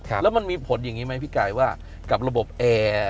แล้วมันมีผลอย่างนี้ไหมพี่กายว่ากับระบบแอร์